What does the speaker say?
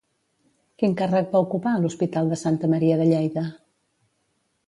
Quin càrrec va ocupar a l'Hospital de Santa Maria de Lleida?